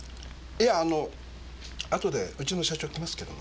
いやあのあとでうちの社長来ますけど。